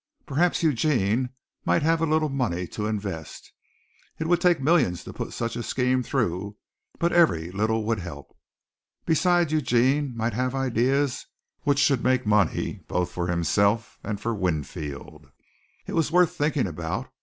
Perhaps Eugene might have a little money to invest. It would take millions to put such a scheme through, but every little would help. Besides Eugene might have ideas which should make money both for himself and for Winfield. It was worth thinking about.